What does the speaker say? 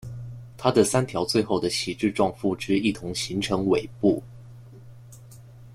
它的三条最后的旗帜状附肢一同形成尾部。